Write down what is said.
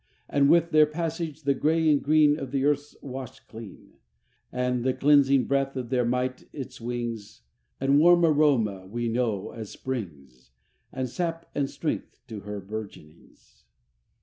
And with their passage the gray and green Of the earth's washed clean; And the cleansing breath of their might is wings And warm aroma we know as Spring's, And sap and strength to her bourgeonings.